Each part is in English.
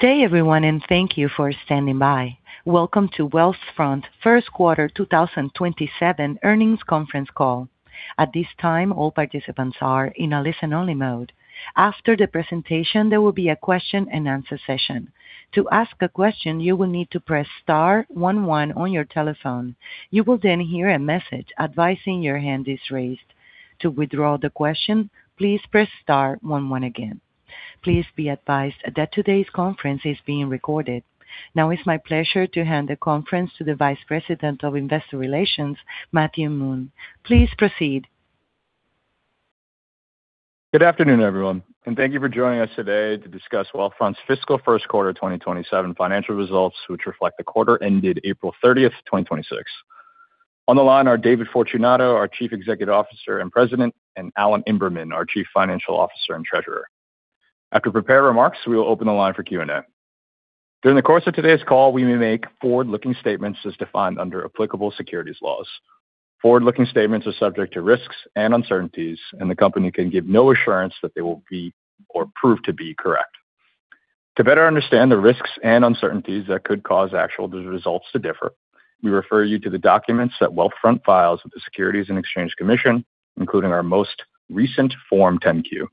Good day everyone, thank you for standing by. Welcome to Wealthfront's first quarter 2027 earnings conference call. At this time, all participants are in a listen only mode. After the presentation, there will be a question and answer session. To ask a question, you will need to press star one one on your telephone. You will hear a message advising your hand is raised. To withdraw the question, please press star one one again. Please be advised that today's conference is being recorded. It's my pleasure to hand the conference to the Vice President of Investor Relations, Matthew Moon. Please proceed. Good afternoon, everyone, and thank you for joining us today to discuss Wealthfront's fiscal first quarter 2027 financial results, which reflect the quarter ended April 30th, 2026. On the line are David Fortunato, our Chief Executive Officer and President, and Alan Imberman, our Chief Financial Officer and Treasurer. After prepared remarks, we will open the line for Q&A. During the course of today's call, we may make forward-looking statements as defined under applicable securities laws. Forward-looking statements are subject to risks and uncertainties, and the company can give no assurance that they will be or prove to be correct. To better understand the risks and uncertainties that could cause actual results to differ, we refer you to the documents that Wealthfront files with the Securities and Exchange Commission, including our most recent Form 10-Q.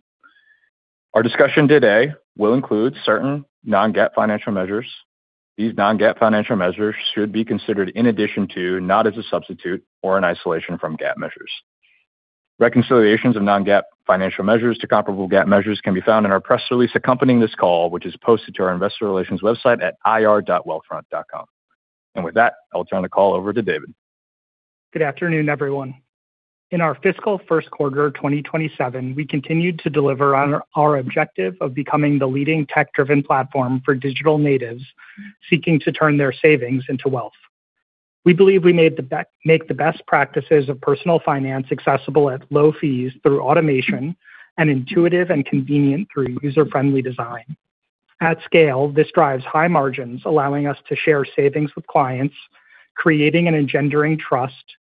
Our discussion today will include certain non-GAAP financial measures. These non-GAAP financial measures should be considered in addition to, not as a substitute or in isolation from GAAP measures. Reconciliations of non-GAAP financial measures to comparable GAAP measures can be found in our press release accompanying this call, which is posted to our investor relations website at ir.wealthfront.com. With that, I'll turn the call over to David. Good afternoon, everyone. In our fiscal first quarter 2027, we continued to deliver on our objective of becoming the leading tech-driven platform for digital natives seeking to turn their savings into wealth. We believe we make the best practices of personal finance accessible at low fees through automation, and intuitive and convenient through user-friendly design. At scale, this drives high margins, allowing us to share savings with clients, creating and engendering trust,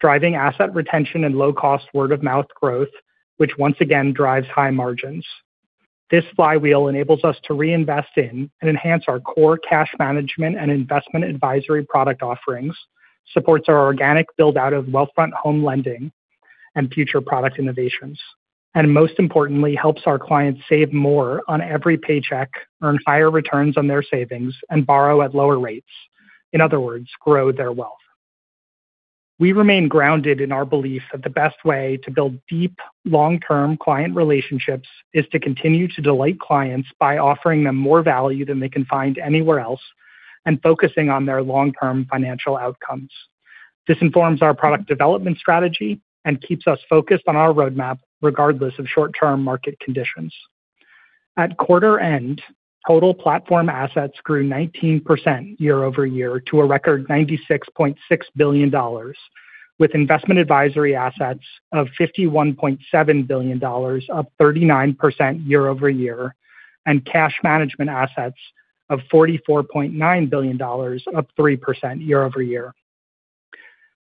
driving asset retention and low-cost word-of-mouth growth, which once again drives high margins. This flywheel enables us to reinvest in and enhance our core cash management and investment advisory product offerings, supports our organic build-out of Wealthfront Home Lending and future product innovations, and most importantly, helps our clients save more on every paycheck, earn higher returns on their savings, and borrow at lower rates. In other words, grow their wealth. We remain grounded in our belief that the best way to build deep, long-term client relationships is to continue to delight clients by offering them more value than they can find anywhere else and focusing on their long-term financial outcomes. This informs our product development strategy and keeps us focused on our roadmap regardless of short-term market conditions. At quarter end, total platform assets grew 19% year-over-year to a record $96.6 billion, with investment advisory assets of $51.7 billion up 39% year-over-year, and cash management assets of $44.9 billion up 3% year-over-year.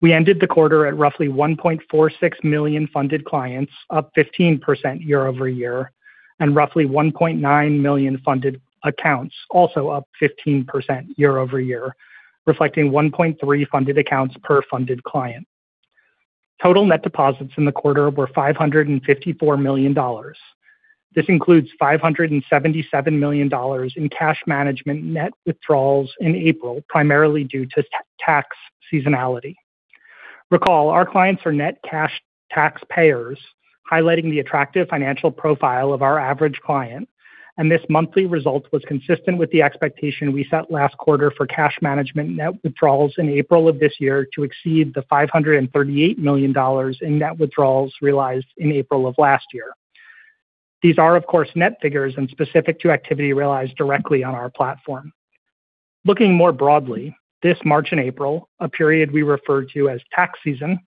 We ended the quarter at roughly 1.46 million funded clients, up 15% year-over-year, and roughly 1.9 million funded accounts, also up 15% year-over-year, reflecting 1.3 funded accounts per funded client. Total net deposits in the quarter were $554 million. This includes $577 million in cash management net withdrawals in April, primarily due to tax seasonality. Recall, our clients are net cash taxpayers, highlighting the attractive financial profile of our average client. This monthly result was consistent with the expectation we set last quarter for cash management net withdrawals in April of this year to exceed the $538 million in net withdrawals realized in April of last year. These are, of course, net figures and specific to activity realized directly on our platform. Looking more broadly, this March and April, a period we refer to as tax season,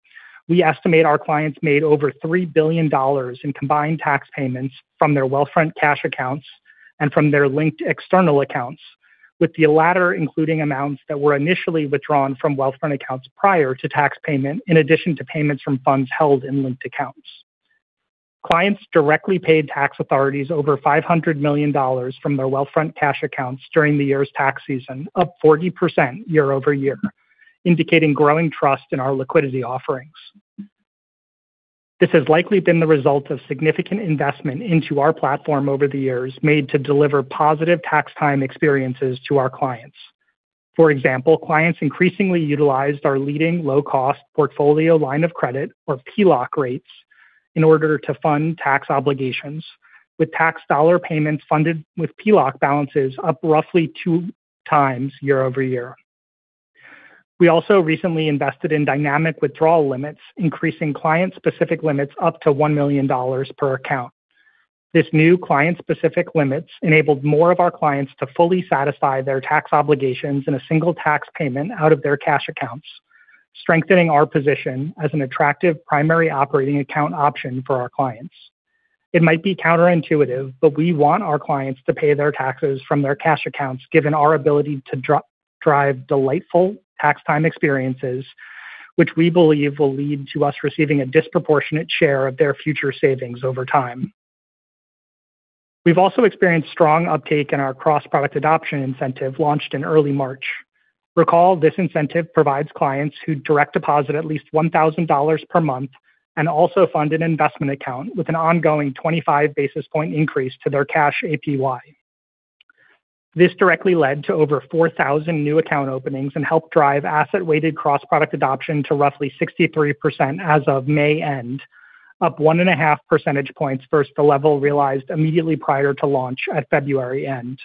we estimate our clients made over $3 billion in combined tax payments from their Wealthfront cash accounts and from their linked external accounts, with the latter including amounts that were initially withdrawn from Wealthfront accounts prior to tax payment, in addition to payments from funds held in linked accounts. Clients directly paid tax authorities over $500 million from their Wealthfront cash accounts during the year's tax season, up 40% year-over-year, indicating growing trust in our liquidity offerings. This has likely been the result of significant investment into our platform over the years made to deliver positive tax time experiences to our clients. For example, clients increasingly utilized our leading low-cost Portfolio Line of Credit, or PLOC rates, in order to fund tax obligations, with tax dollar payments funded with PLOC balances up roughly two times year-over-year. We also recently invested in dynamic withdrawal limits, increasing client-specific limits up to $1 million per account. These new client-specific limits enabled more of our clients to fully satisfy their tax obligations in a single tax payment out of their cash accounts, strengthening our position as an attractive primary operating account option for our clients. It might be counterintuitive, but we want our clients to pay their taxes from their cash accounts given our ability to drive delightful tax time experiences. Which we believe will lead to us receiving a disproportionate share of their future savings over time. We've also experienced strong uptake in our cross-product adoption incentive launched in early March. Recall, this incentive provides clients who direct deposit at least $1,000 per month and also fund an investment account with an ongoing 25 basis point increase to their cash APY. This directly led to over 4,000 new account openings and helped drive asset-weighted cross-product adoption to roughly 63% as of May end, up one and a half percentage points versus the level realized immediately prior to launch at February end.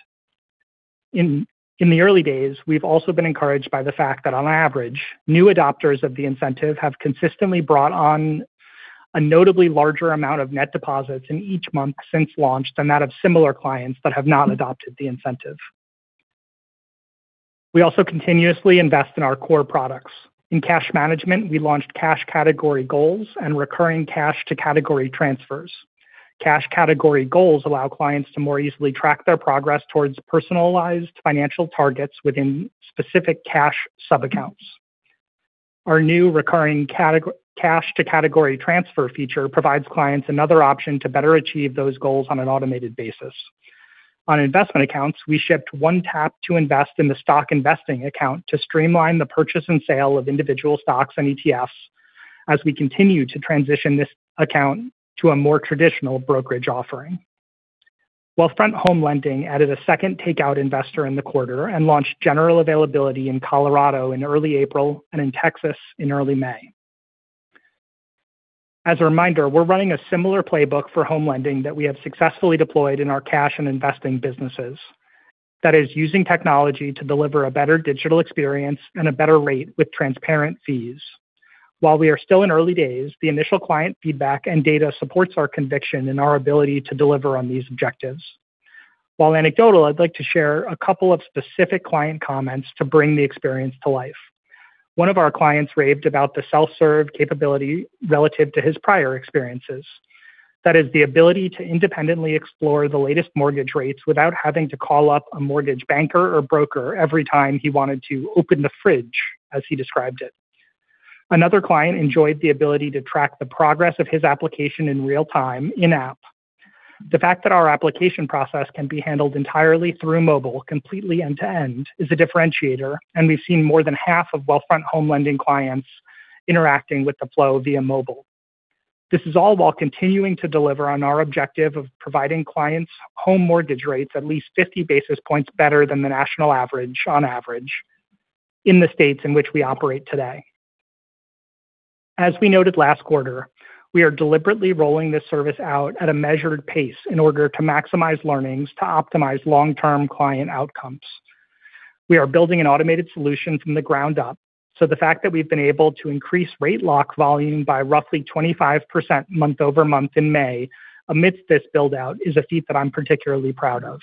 In the early days, we've also been encouraged by the fact that on average, new adopters of the incentive have consistently brought on a notably larger amount of net deposits in each month since launch than that of similar clients that have not adopted the incentive. We also continuously invest in our core products. In cash management, we launched Cash Category Goals and recurring cash to category transfers. Cash Category Goals allow clients to more easily track their progress towards personalized financial targets within specific cash sub-accounts. Our new recurring cash to category transfer feature provides clients another option to better achieve those goals on an automated basis. On investment accounts, we shipped one-tap-to-invest in the Stock Investing Account to streamline the purchase and sale of individual stocks and ETFs as we continue to transition this account to a more traditional brokerage offering. Wealthfront Home Lending added a second takeout investor in the quarter and launched general availability in Colorado in early April and in Texas in early May. As a reminder, we're running a similar playbook for home lending that we have successfully deployed in our cash and investing businesses. That is using technology to deliver a better digital experience and a better rate with transparent fees. While we are still in early days, the initial client feedback and data supports our conviction and our ability to deliver on these objectives. While anecdotal, I'd like to share a couple of specific client comments to bring the experience to life. One of our clients raved about the self-serve capability relative to his prior experiences. That is the ability to independently explore the latest mortgage rates without having to call up a mortgage banker or broker every time he wanted to open the fridge, as he described it. Another client enjoyed the ability to track the progress of his application in real time in-app. The fact that our application process can be handled entirely through mobile completely end to end is a differentiator, and we've seen more than half of Wealthfront Home Lending clients interacting with the flow via mobile. This is all while continuing to deliver on our objective of providing clients home mortgage rates at least 50 basis points better than the national average on average in the states in which we operate today. As we noted last quarter, we are deliberately rolling this service out at a measured pace in order to maximize learnings to optimize long-term client outcomes. The fact that we've been able to increase rate lock volume by roughly 25% month-over-month in May amidst this build-out is a feat that I'm particularly proud of,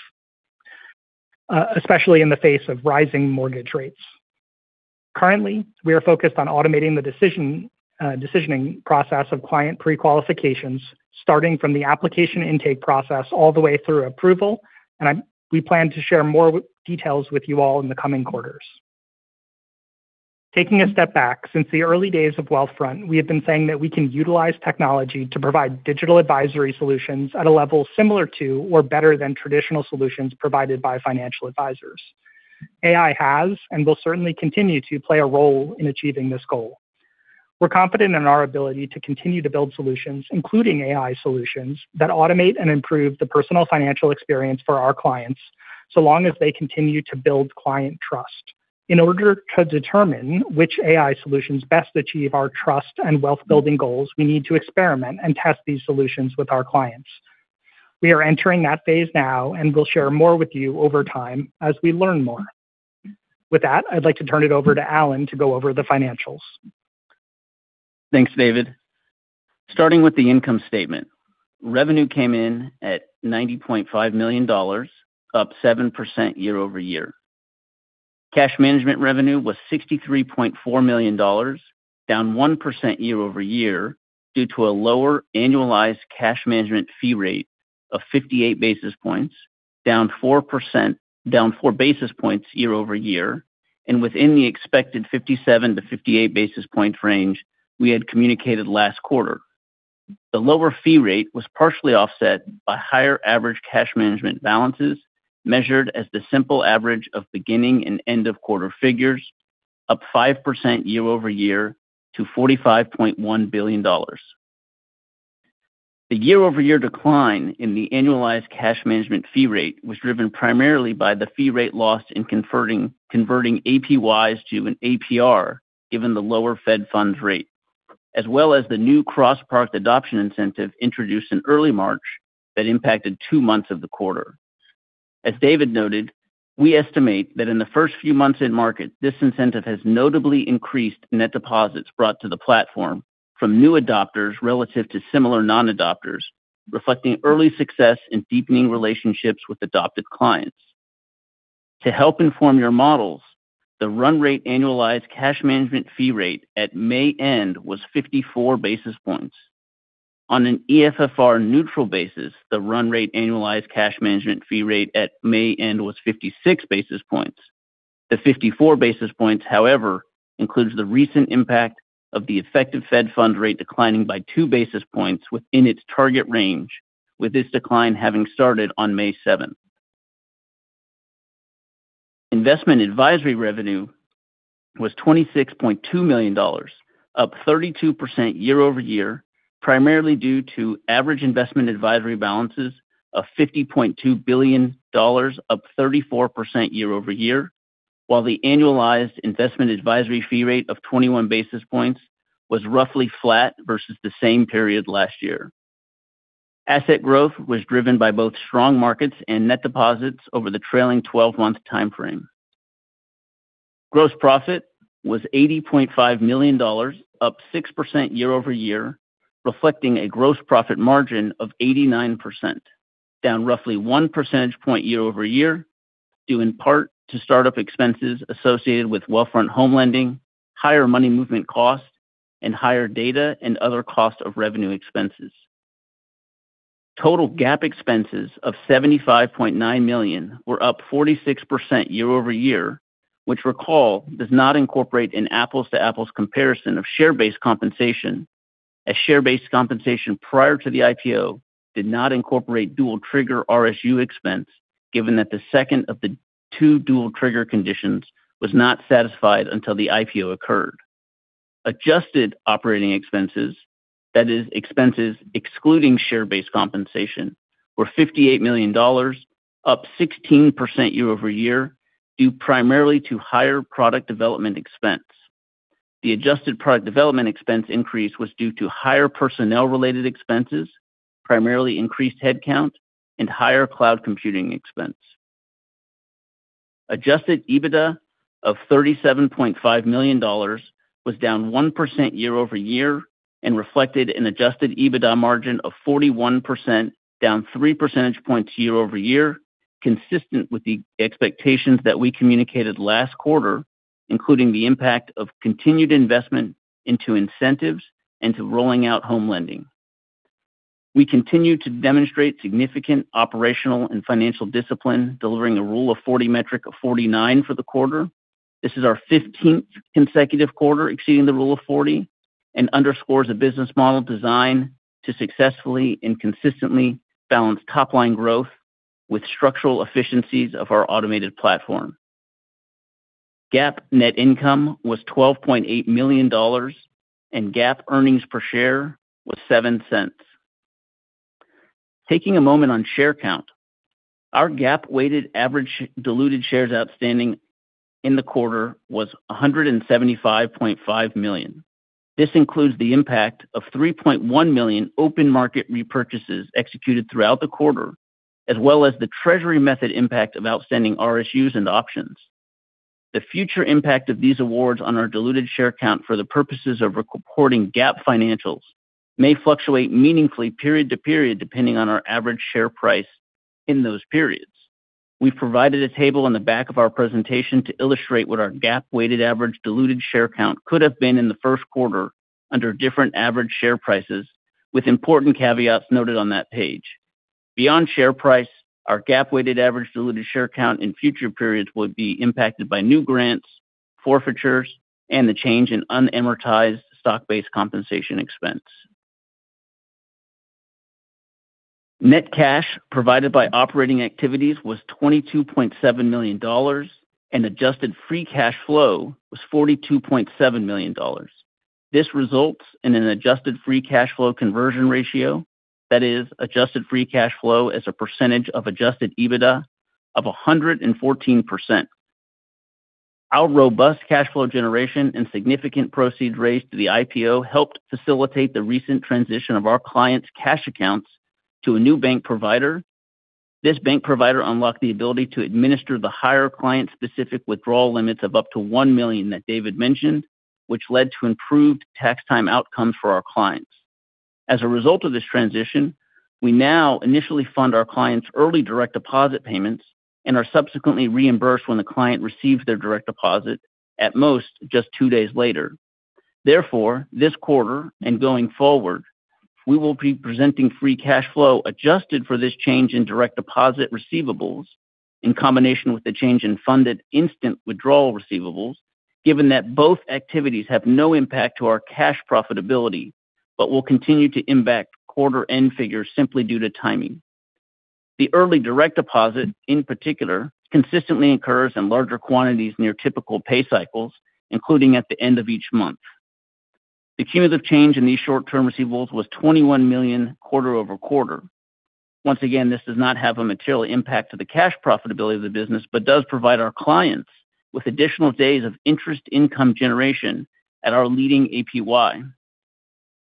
especially in the face of rising mortgage rates. Currently, we are focused on automating the decisioning process of client pre-qualifications, starting from the application intake process all the way through approval. We plan to share more details with you all in the coming quarters. Taking a step back, since the early days of Wealthfront, we have been saying that we can utilize technology to provide digital advisory solutions at a level similar to or better than traditional solutions provided by financial advisors. AI has, and will certainly continue to play a role in achieving this goal. We're confident in our ability to continue to build solutions, including AI solutions, that automate and improve the personal financial experience for our clients, so long as they continue to build client trust. In order to determine which AI solutions best achieve our trust and wealth-building goals, we need to experiment and test these solutions with our clients. We are entering that phase now and will share more with you over time as we learn more. With that, I'd like to turn it over to Alan to go over the financials. Thanks, David. Starting with the income statement. Revenue came in at $90.5 million, up 7% year-over-year. Cash management revenue was $63.4 million, down 1% year-over-year due to a lower annualized cash management fee rate of 58 basis points, down four basis points year-over-year, and within the expected 57-58 basis point range we had communicated last quarter. The lower fee rate was partially offset by higher average cash management balances measured as the simple average of beginning and end-of-quarter figures, up 5% year-over-year to $45.1 billion. The year-over-year decline in the annualized cash management fee rate was driven primarily by the fee rate lost in converting APYs to an APR, given the lower Fed funds rate, as well as the new cross-product adoption incentive introduced in early March that impacted two months of the quarter. As David noted, we estimate that in the first few months in market, this incentive has notably increased net deposits brought to the platform from new adopters relative to similar non-adopters, reflecting early success in deepening relationships with adopted clients. To help inform your models, the run rate annualized cash management fee rate at May end was 54 basis points. On an EFFR neutral basis, the run rate annualized cash management fee rate at May end was 56 basis points. The 54 basis points, however, includes the recent impact of the effective fed funds rate declining by two basis points within its target range, with this decline having started on May 7th. Investment advisory revenue was $26.2 million, up 32% year-over-year, primarily due to average investment advisory balances of $50.2 billion, up 34% year-over-year, while the annualized investment advisory fee rate of 21 basis points was roughly flat versus the same period last year. Asset growth was driven by both strong markets and net deposits over the trailing 12-month timeframe. Gross profit was $80.5 million, up 6% year-over-year, reflecting a gross profit margin of 89%, down roughly one percentage point year-over-year, due in part to start-up expenses associated with Wealthfront Home Lending, higher money movement costs, and higher data and other cost of revenue expenses. Total GAAP expenses of $75.9 million were up 46% year-over-year, which recall, does not incorporate an apples-to-apples comparison of share-based compensation, as share-based compensation prior to the IPO did not incorporate dual trigger RSU expense, given that the second of the two dual trigger conditions was not satisfied until the IPO occurred. Adjusted operating expenses, that is, expenses excluding share-based compensation, were $58 million, up 16% year-over-year, due primarily to higher product development expense. The adjusted product development expense increase was due to higher personnel-related expenses, primarily increased headcount, and higher cloud computing expense. Adjusted EBITDA of $37.5 million was down 1% year-over-year and reflected an adjusted EBITDA margin of 41%, down three percentage points year-over-year, consistent with the expectations that we communicated last quarter, including the impact of continued investment into incentives and to rolling out Home Lending. We continue to demonstrate significant operational and financial discipline, delivering a Rule of 40 metric of 49 for the quarter. This is our 15th consecutive quarter exceeding the Rule of 40 and underscores a business model designed to successfully and consistently balance top-line growth with structural efficiencies of our automated platform. GAAP net income was $12.8 million, and GAAP earnings per share was $0.07. Taking a moment on share count, our GAAP weighted average diluted shares outstanding in the quarter was 175.5 million. This includes the impact of 3.1 million open market repurchases executed throughout the quarter, as well as the treasury method impact of outstanding RSUs and options. The future impact of these awards on our diluted share count for the purposes of reporting GAAP financials may fluctuate meaningfully period to period depending on our average share price in those periods. We've provided a table in the back of our presentation to illustrate what our GAAP weighted average diluted share count could have been in the first quarter under different average share prices, with important caveats noted on that page. Beyond share price, our GAAP weighted average diluted share count in future periods would be impacted by new grants, forfeitures, and the change in unamortized stock-based compensation expense. Net cash provided by operating activities was $22.7 million, and adjusted free cash flow was $42.7 million. This results in an adjusted free cash flow conversion ratio, that is, adjusted free cash flow as a percentage of adjusted EBITDA of 114%. Our robust cash flow generation and significant proceeds raised through the IPO helped facilitate the recent transition of our clients' cash accounts to a new bank provider. This bank provider unlocked the ability to administer the higher client-specific withdrawal limits of up to 1 million that David mentioned, which led to improved tax time outcomes for our clients. As a result of this transition, we now initially fund our clients' early direct deposit payments and are subsequently reimbursed when the client receives their direct deposit at most, just two days later. Therefore, this quarter and going forward, we will be presenting free cash flow adjusted for this change in direct deposit receivables in combination with the change in funded instant withdrawal receivables, given that both activities have no impact to our cash profitability but will continue to impact quarter-end figures simply due to timing. The early direct deposit, in particular, consistently occurs in larger quantities near typical pay cycles, including at the end of each month. The cumulative change in these short-term receivables was $21 million quarter-over-quarter. Once again, this does not have a material impact to the cash profitability of the business but does provide our clients with additional days of interest income generation at our leading APY.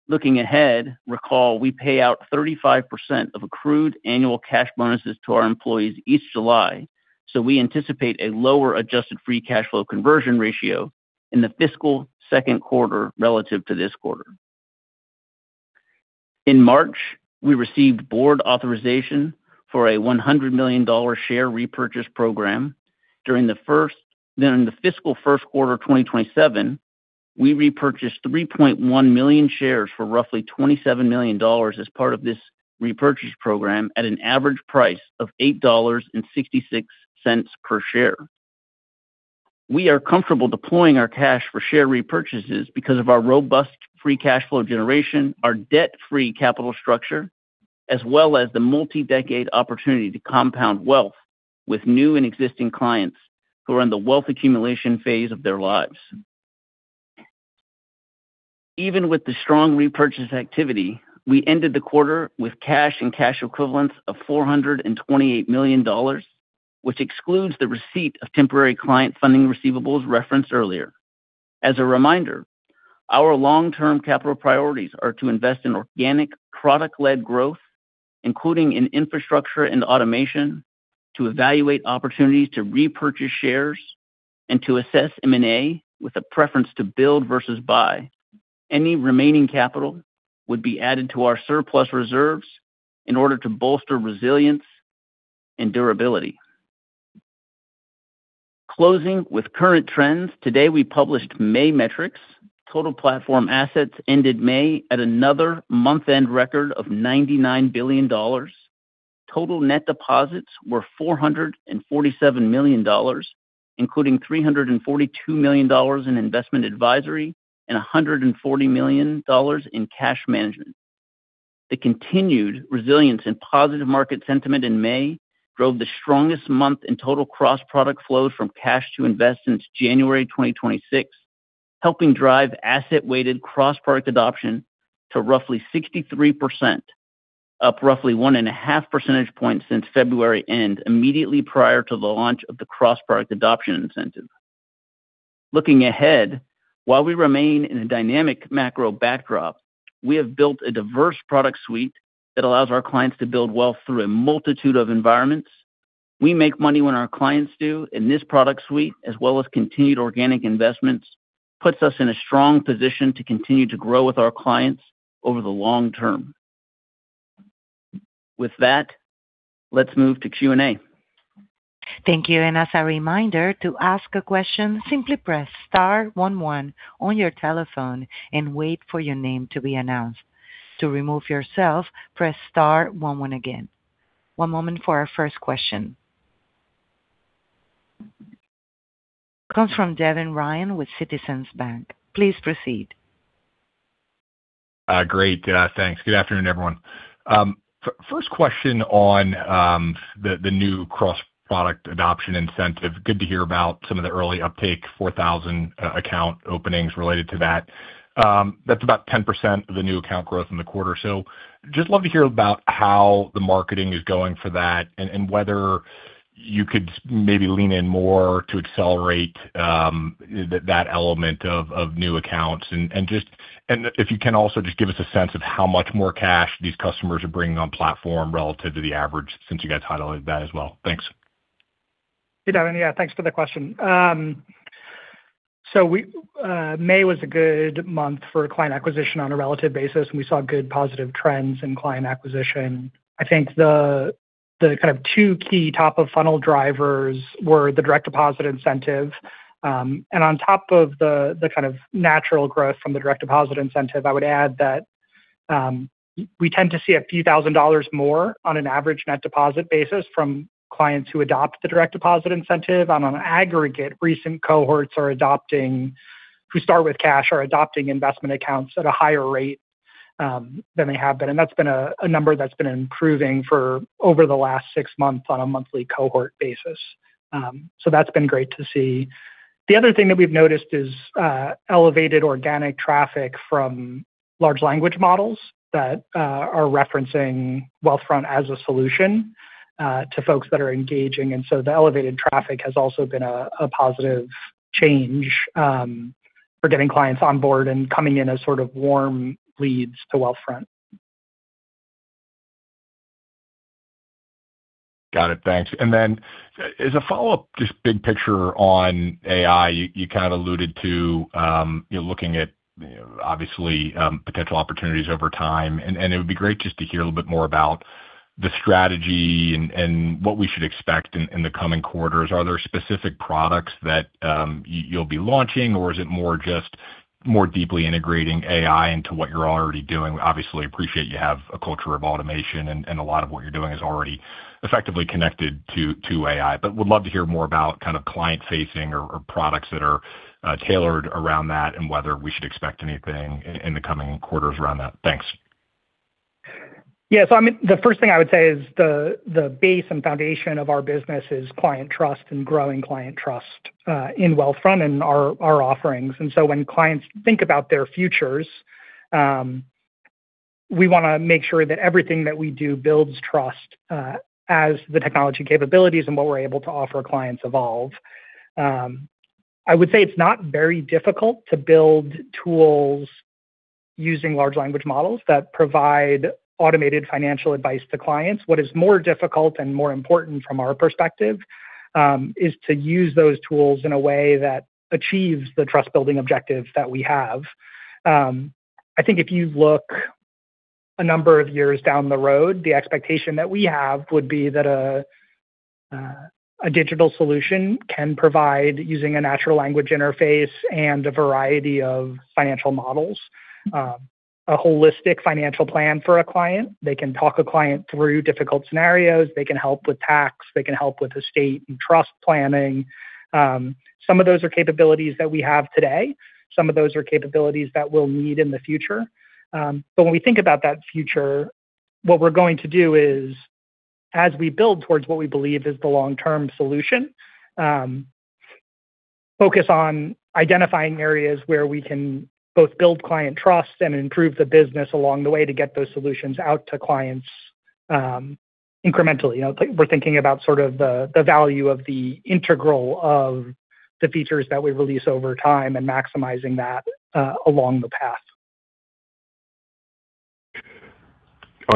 Looking ahead, recall we pay out 35% of accrued annual cash bonuses to our employees each July. We anticipate a lower adjusted free cash flow conversion ratio in the fiscal second quarter relative to this quarter. In March, we received board authorization for a $100 million share repurchase program. During the fiscal first quarter 2027, we repurchased 3.1 million shares for roughly $27 million as part of this repurchase program at an average price of $8.66 per share. We are comfortable deploying our cash for share repurchases because of our robust free cash flow generation, our debt-free capital structure, as well as the multi-decade opportunity to compound wealth with new and existing clients who are in the wealth accumulation phase of their lives. Even with the strong repurchase activity, we ended the quarter with cash and cash equivalents of $428 million, which excludes the receipt of temporary client funding receivables referenced earlier. As a reminder, our long-term capital priorities are to invest in organic product-led growth, including in infrastructure and automation, to evaluate opportunities to repurchase shares, and to assess M&A with a preference to build versus buy. Any remaining capital would be added to our surplus reserves in order to bolster resilience and durability. Closing with current trends. Today we published May metrics. Total platform assets ended May at another month-end record of $99 billion. Total net deposits were $447 million, including $342 million in investment advisory and $140 million in cash management. The continued resilience and positive market sentiment in May drove the strongest month in total cross-product flow from cash to invest since January 2026, helping drive asset-weighted cross-product adoption to roughly 63%, up roughly one and a half percentage points since February end, immediately prior to the launch of the Cross-Product Adoption Incentive. Looking ahead, while we remain in a dynamic macro backdrop, we have built a diverse product suite that allows our clients to build wealth through a multitude of environments. We make money when our clients do, and this product suite, as well as continued organic investments, puts us in a strong position to continue to grow with our clients over the long term. With that, let's move to Q&A. Thank you. As a reminder, to ask a question, simply press star one one on your telephone and wait for your name to be announced. To remove yourself, press star one one again. One moment for our first question. Comes from Devin Ryan with Citizens JMP. Please proceed. Great. Thanks. Good afternoon, everyone. First question on the new cross-product adoption incentive. Good to hear about some of the early uptake, 4,000 account openings related to that. That's about 10% of the new account growth in the quarter. Just love to hear about how the marketing is going for that and whether you could maybe lean in more to accelerate that element of new accounts. If you can also just give us a sense of how much more cash these customers are bringing on platform relative to the average since you guys highlighted that as well. Thanks. Hey, Devin. Yeah, thanks for the question. May was a good month for client acquisition on a relative basis, and we saw good positive trends in client acquisition. I think the two key top-of-funnel drivers were the direct deposit incentive. On top of the kind of natural growth from the direct deposit incentive, I would add that we tend to see a few thousand dollars more on an average net deposit basis from clients who adopt the direct deposit incentive. On an aggregate, recent cohorts who start with cash are adopting investment accounts at a higher rate than they have been. That's been a number that's been improving for over the last six months on a monthly cohort basis. That's been great to see. The other thing that we've noticed is elevated organic traffic from large language models that are referencing Wealthfront as a solution to folks that are engaging. The elevated traffic has also been a positive change for getting clients on board and coming in as sort of warm leads to Wealthfront. Got it. Thanks. As a follow-up, just big picture on AI, you kind of alluded to looking at obviously potential opportunities over time, and it would be great just to hear a little bit more about the strategy and what we should expect in the coming quarters. Are there specific products that you’ll be launching, or is it more just more deeply integrating AI into what you’re already doing? Obviously appreciate you have a culture of automation and a lot of what you’re doing is already effectively connected to AI, but would love to hear more about kind of client-facing or products that are tailored around that and whether we should expect anything in the coming quarters around that. Thanks. Yeah. The first thing I would say is the base and foundation of our business is client trust and growing client trust in Wealthfront and our offerings. When clients think about their futures, we want to make sure that everything that we do builds trust as the technology capabilities and what we're able to offer clients evolve. I would say it's not very difficult to build tools using large language models that provide automated financial advice to clients. What is more difficult and more important from our perspective is to use those tools in a way that achieves the trust-building objectives that we have. I think if you look a number of years down the road the expectation that we have would be the [great] solution can provide a using a natural language interface and a variety of financial models a holistic financial plan for a client day they can talk a client through difficult scenario they can help with tax they can help with estate and trust planning. Some of those capabilities we have today some of those capabilities that will need in the future but when we think about that future what were going to do is as we build toward we believe is long term solution focus on identifying areas where we can both build client trust and improve the business along the way to get those solution out to clients incrementally we're thinking about sort of the value of the integral of the features that we release over time and maximizing that along the path.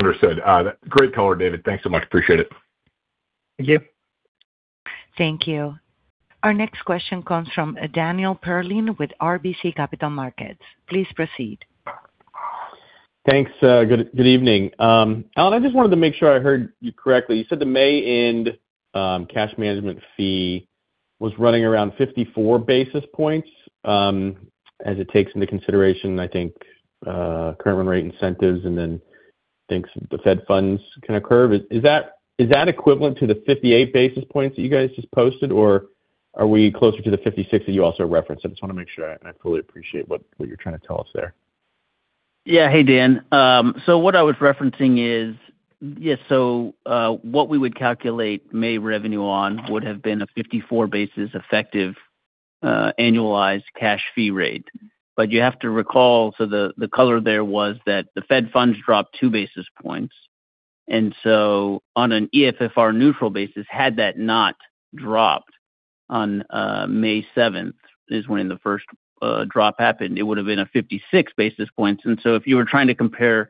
Understood. Great color, David. Thanks so much. Appreciate it. Thank you. Thank you. Our next question comes from Dan Perlin with RBC Capital Markets. Please proceed. Thanks. Good evening. Alan, I just wanted to make sure I heard you correctly. You said the May end cash management fee was running around 54 basis points, as it takes into consideration, I think current rate incentives then thinks the Fed funds kind of curve. Is that equivalent to the 58 basis points that you guys just posted or are we closer to the 56 basis points that you also referenced? I just want to make sure I fully appreciate what you're trying to tell us there. Yeah. Hey, Dan. What I was referencing is, yes, what we would calculate May revenue on would have been a 54 basis points effective annualized cash fee rate. You have to recall, the color there was that the Fed funds dropped two basis points, on an EFFR neutral basis, had that not dropped on May 7th is when the first drop happened, it would have been a 56 basis points. If you were trying to compare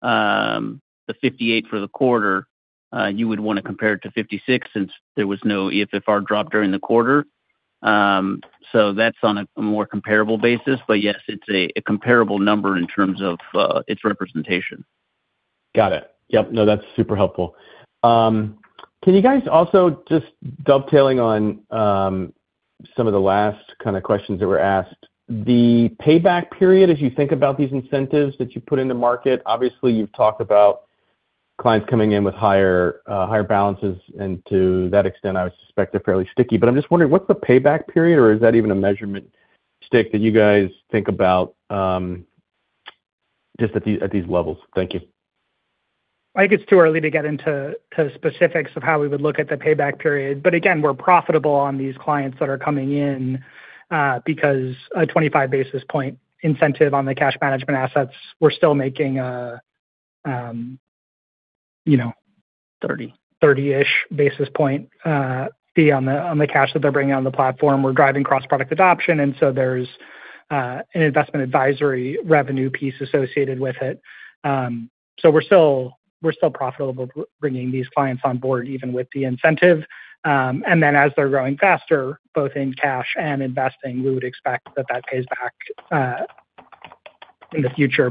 the 58 basis points for the quarter, you would want to compare it to 56 since there was no EFFR drop during the quarter. That's on a more comparable basis. Yes, it's a comparable number in terms of its representation. Got it. Yep. No, that's super helpful. Can you guys also just dovetailing on some of the last kind of questions that were asked, the payback period as you think about these incentives that you put in the market, obviously you've talked about clients coming in with higher balances, and to that extent, I would suspect they're fairly sticky. I'm just wondering what's the payback period, or is that even a measurement stick that you guys think about just at these levels? Thank you. I think it's too early to get into specifics of how we would look at the payback period. Again, we're profitable on these clients that are coming in because a 25 basis point incentive on the cash management assets were still making. Thirty 30-ish basis point fee on the cash that they're bringing on the platform. We're driving cross-product adoption, there's an investment advisory revenue piece associated with it. We're still profitable bringing these clients on board even with the incentive. As they're growing faster, both in cash and investing, we would expect that that pays back in the future,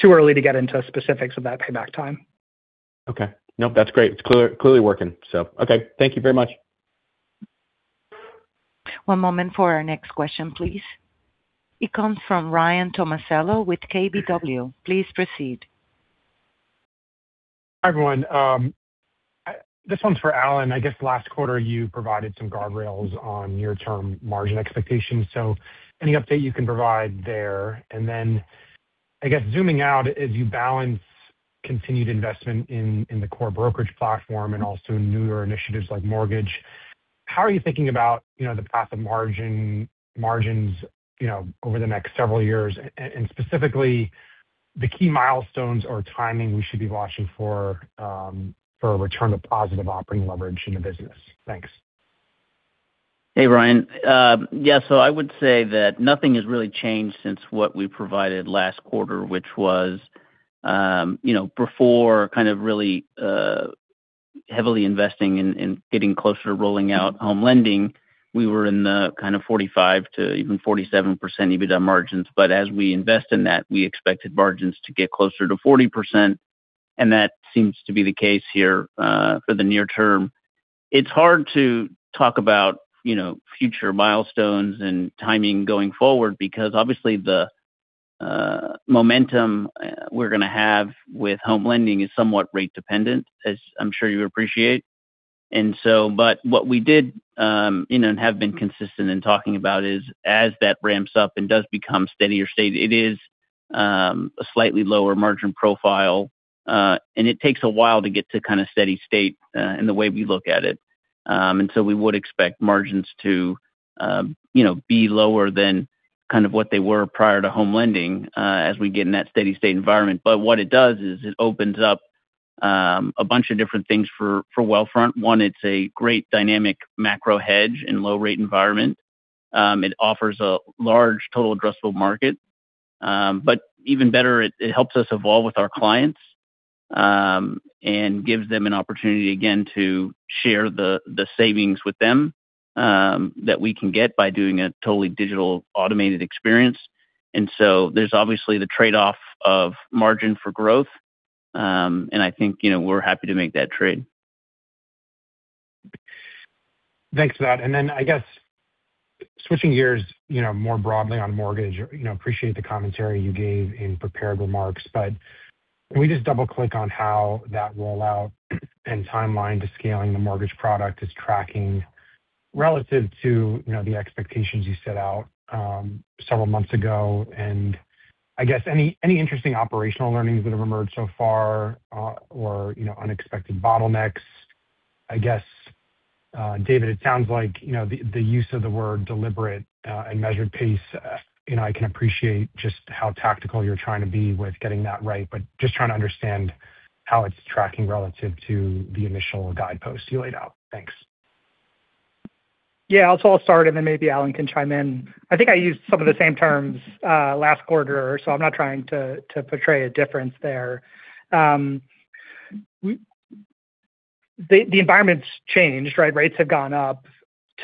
too early to get into specifics of that payback time. Okay. Nope, that's great. It's clearly working. Okay. Thank you very much. One moment for our next question, please. It comes from Ryan Tomasello with KBW. Please proceed. Hi, everyone. This one's for Alan. I guess last quarter you provided some guardrails on near-term margin expectations. Any update you can provide there? I guess zooming out as you balance continued investment in the core brokerage platform and also newer initiatives like mortgage, how are you thinking about the path of margins over the next several years? Specifically, the key milestones or timing we should be watching for a return to positive operating leverage in the business. Thanks. Ryan. I would say that nothing has really changed since what we provided last quarter which was before kind of really heavily investing in getting closer to rolling out home lending, we were in the kind of 45%-47% EBITDA margins. As we invest in that, we expected margins to get closer to 40%, and that seems to be the case here for the near term. It's hard to talk about future milestones and timing going forward because obviously the momentum we're going to have with home lending is somewhat rate dependent, as I'm sure you appreciate. What we did and have been consistent in talking about is as that ramps up and does become steady state, it is a slightly lower margin profile, and it takes a while to get to kind of steady state in the way we look at it. We would expect margins to be lower than kind of what they were prior to Wealthfront Home Lending as we get in that steady state environment. What it does is it opens up a bunch of different things for Wealthfront. One, it's a great dynamic macro hedge in low rate environment. It offers a large total addressable market. Even better, it helps us evolve with our clients and gives them an opportunity, again, to share the savings with them that we can get by doing a totally digital automated experience. There's obviously the trade-off of margin for growth. I think we're happy to make that trade. Thanks for that. Then, I guess, switching gears more broadly on mortgage. Appreciate the commentary you gave in prepared remarks, can we just double-click on how that rollout and timeline to scaling the mortgage product is tracking relative to the expectations you set out several months ago? I guess any interesting operational learnings that have emerged so far or unexpected bottlenecks. I guess, David, it sounds like the use of the word deliberate and measured pace, I can appreciate just how tactical you're trying to be with getting that right. Just trying to understand how it's tracking relative to the initial guideposts you laid out. Thanks. Yeah. I'll start, and then maybe Alan can chime in. I think I used some of the same terms last quarter, I'm not trying to portray a difference there. The environment's changed, right? Rates have gone up.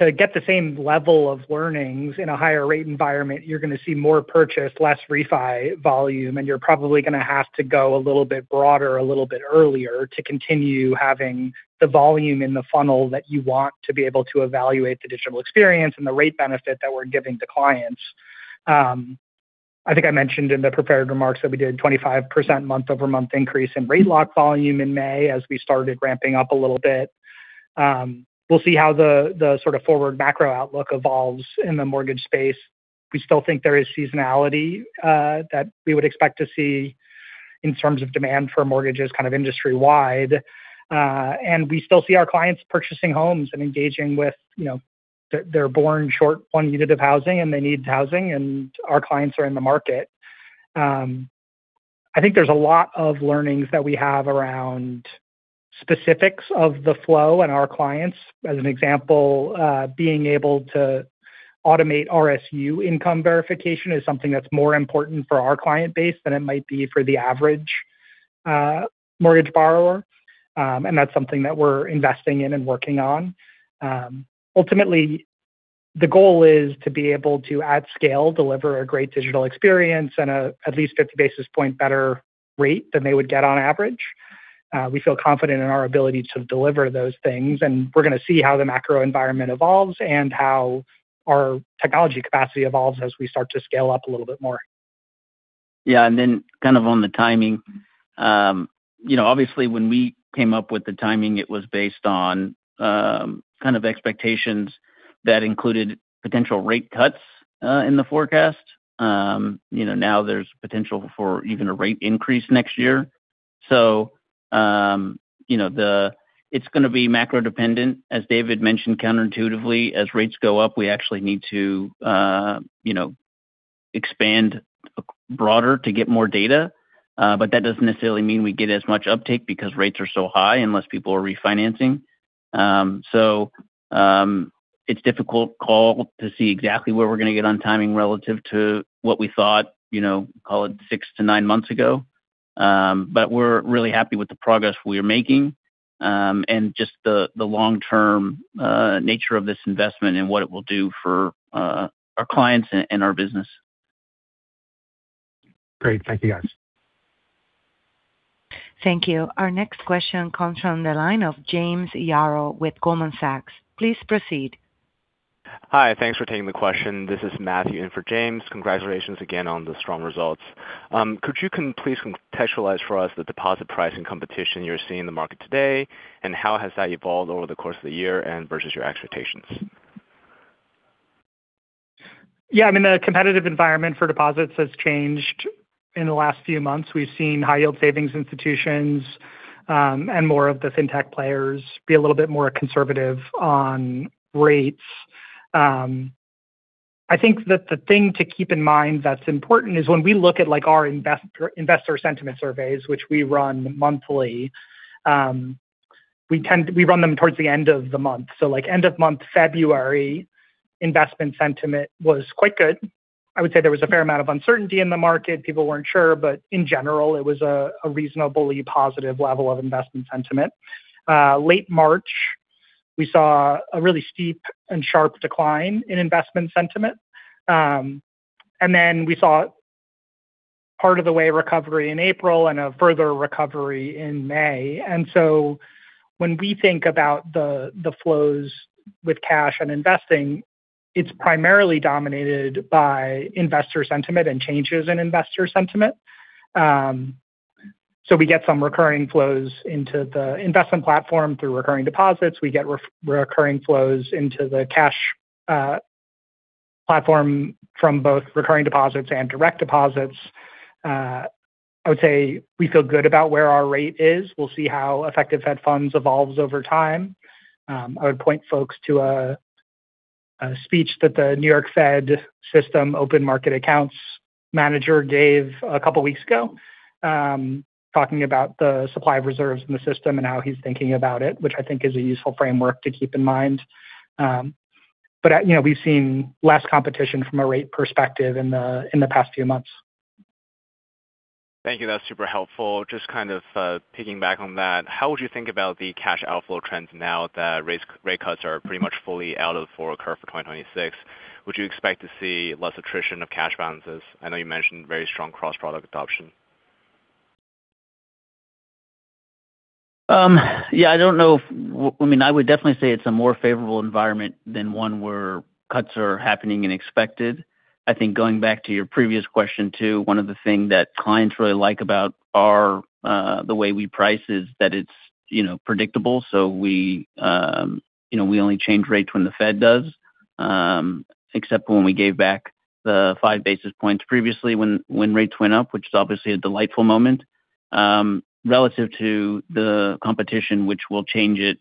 To get the same level of learnings in a higher rate environment, you're going to see more purchase, less refi volume, and you're probably going to have to go a little bit broader a little bit earlier to continue having the volume in the funnel that you want to be able to evaluate the digital experience and the rate benefit that we're giving to clients. I think I mentioned in the prepared remarks that we did 25% month-over-month increase in rate lock volume in May as we started ramping up a little bit. We'll see how the sort of forward macro outlook evolves in the mortgage space. We still think there is seasonality that we would expect to see in terms of demand for mortgages kind of industry-wide. We still see our clients purchasing homes and engaging with They're born short one unit of housing, and they need housing, and our clients are in the market. I think there's a lot of learnings that we have around specifics of the flow and our clients. As an example, being able to automate RSU income verification is something that's more important for our client base than it might be for the average mortgage borrower. That's something that we're investing in and working on. Ultimately, the goal is to be able to, at scale, deliver a great digital experience and at least 50 basis point better rate than they would get on average. We feel confident in our ability to deliver those things, and we're going to see how the macro environment evolves and how our technology capacity evolves as we start to scale up a little bit more. Yeah. Kind of on the timing. Obviously, when we came up with the timing, it was based on kind of expectations that included potential rate cuts in the forecast. Now there's potential for even a rate increase next year. It's going to be macro-dependent. As David mentioned, counterintuitively, as rates go up, we actually need to expand broader to get more data. That doesn't necessarily mean we get as much uptake because rates are so high and less people are refinancing. It's difficult call to see exactly where we're going to get on timing relative to what we thought, call it six to nine months ago. We're really happy with the progress we are making, and just the long-term nature of this investment and what it will do for our clients and our business. Great. Thank you, guys. Thank you. Our next question comes from the line of Jonathan Yarrow with Goldman Sachs. Please proceed. Hi. Thanks for taking the question. This is Matthew in for James. Congratulations again on the strong results. Could you please contextualize for us the deposit pricing competition you're seeing in the market today, and how has that evolved over the course of the year and versus your expectations? Yeah. I mean, the competitive environment for deposits has changed in the last few months. We've seen high-yield savings institutions, and more of the fintech players be a little bit more conservative on rates. I think that the thing to keep in mind that's important is when we look at our investor sentiment surveys, which we run monthly, we run them towards the end of the month. End of month February investment sentiment was quite good. I would say there was a fair amount of uncertainty in the market. People weren't sure, but in general, it was a reasonably positive level of investment sentiment. Late March, we saw a really steep and sharp decline in investment sentiment. We saw part of the way recovery in April and a further recovery in May. When we think about the flows with cash and investing, it's primarily dominated by investor sentiment and changes in investor sentiment. We get some recurring flows into the investment platform through recurring deposits. We get recurring flows into the cash platform from both recurring deposits and direct deposits. I would say we feel good about where our rate is. We'll see how effective Fed funds evolves over time. I would point folks to a speech that the New York Fed System Open Market Account manager gave a couple of weeks ago, talking about the supply of reserves in the system and how he's thinking about it, which I think is a useful framework to keep in mind. We've seen less competition from a rate perspective in the past few months. Thank you. That's super helpful. Just kind of piggyback on that, how would you think about the cash outflow trends now that rate cuts are pretty much fully out of the forecast for 2026? Would you expect to see less attrition of cash balances? I know you mentioned very strong cross-product adoption. Yeah, I don't know. I would definitely say it's a more favorable environment than one where cuts are happening and expected. I think going back to your previous question too, one of the thing that clients really like about the way we price is that it's predictable. We only change rates when the Fed does, except when we gave back the five basis points previously when rates went up, which is obviously a delightful moment. Relative to the competition, which will change it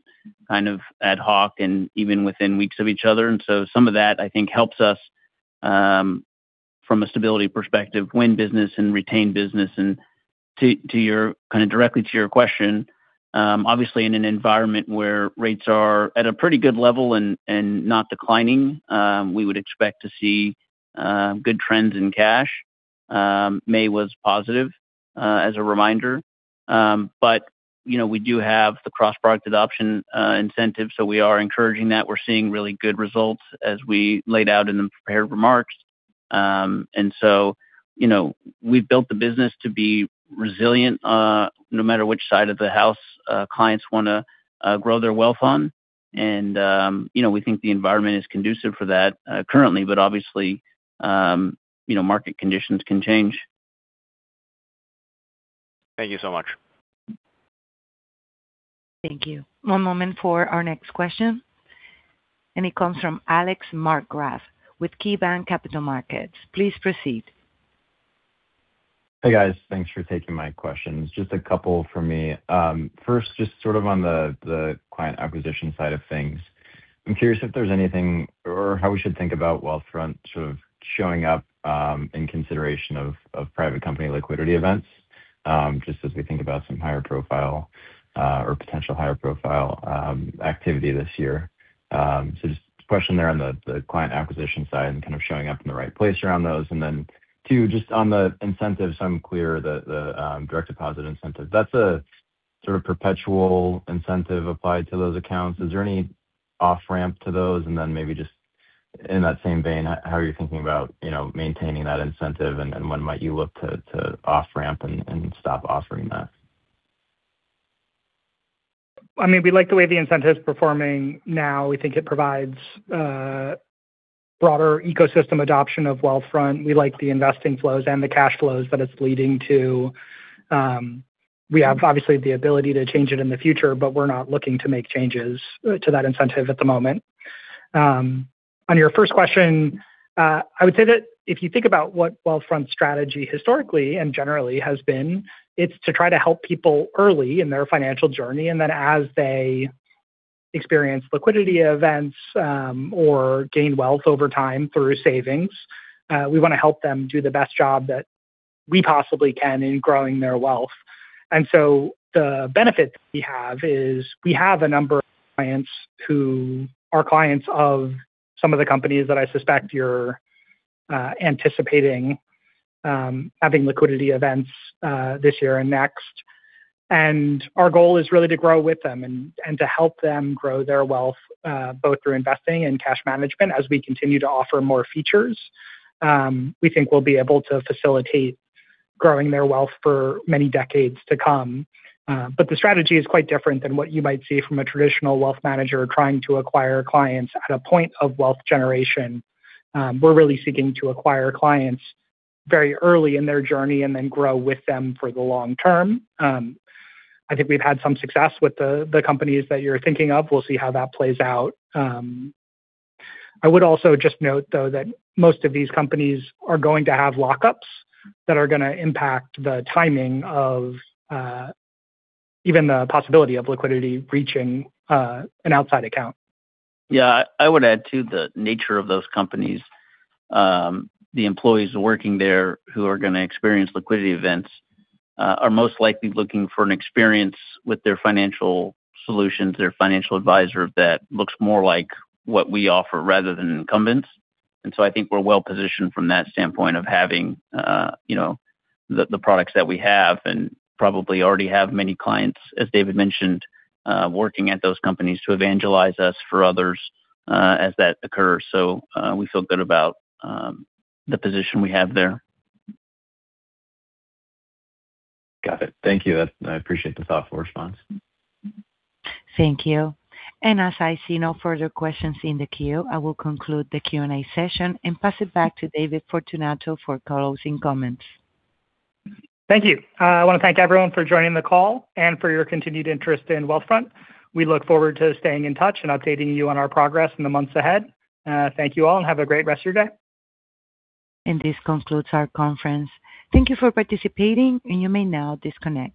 kind of ad hoc and even within weeks of each other. Some of that I think helps us from a stability perspective, win business and retain business. Directly to your question, obviously in an environment where rates are at a pretty good level and not declining, we would expect to see good trends in cash. May was positive, as a reminder. We do have the cross-product adoption incentive, so we are encouraging that. We're seeing really good results as we laid out in the prepared remarks. We've built the business to be resilient no matter which side of the house clients want to grow their wealth on. We think the environment is conducive for that currently, but obviously, market conditions can change. Thank you so much. Thank you. One moment for our next question. It comes from Alex Markgraff with KeyBanc Capital Markets. Please proceed. Hey, guys. Thanks for taking my questions. Just a couple from me. First, just sort of on the client acquisition side of things, I'm curious if there's anything or how we should think about Wealthfront sort of showing up in consideration of private company liquidity events, just as we think about some higher profile or potential higher profile activity this year. Just a question there on the client acquisition side and kind of showing up in the right place around those. Two, just on the incentives, I'm clear the Direct Deposit Incentive. That's a sort of perpetual incentive applied to those accounts. Is there any off-ramp to those? Maybe just in that same vein, how are you thinking about maintaining that incentive, and when might you look to off-ramp and stop offering that? We like the way the incentive is performing now. We think it provides a broader ecosystem adoption of Wealthfront. We like the investing flows and the cash flows that it's leading to. We have obviously the ability to change it in the future, but we're not looking to make changes to that incentive at the moment. On your first question, I would say that if you think about what Wealthfront's strategy historically and generally has been, it's to try to help people early in their financial journey, and then as they experience liquidity events or gain wealth over time through savings, we want to help them do the best job that we possibly can in growing their wealth. The benefit we have is we have a number of clients who are clients of some of the companies that I suspect you're anticipating having liquidity events this year and next. Our goal is really to grow with them and to help them grow their wealth, both through investing and cash management as we continue to offer more features. We think we'll be able to facilitate growing their wealth for many decades to come. The strategy is quite different than what you might see from a traditional wealth manager trying to acquire clients at a point of wealth generation. We're really seeking to acquire clients very early in their journey and then grow with them for the long term. I think we've had some success with the companies that you're thinking of. We'll see how that plays out. I would also just note, though, that most of these companies are going to have lockups that are going to impact the timing of even the possibility of liquidity reaching an outside account. Yeah. I would add too, the nature of those companies. The employees working there who are most likely looking for an experience with their financial solutions, their financial advisor that looks more like what we offer rather than incumbents. I think we're well-positioned from that standpoint of having the products that we have and probably already have many clients, as David mentioned, working at those companies to evangelize us for others as that occurs. We feel good about the position we have there. Got it. Thank you. I appreciate the thoughtful response. Thank you. As I see no further questions in the queue, I will conclude the Q&A session and pass it back to David Fortunato for closing comments. Thank you. I want to thank everyone for joining the call and for your continued interest in Wealthfront. We look forward to staying in touch and updating you on our progress in the months ahead. Thank you all, and have a great rest of your day. This concludes our conference. Thank you for participating, and you may now disconnect.